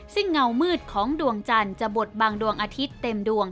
ซึ่งเงามืดของดวงจันทร์จะบดบังดวงอาทิตย์เต็มดวง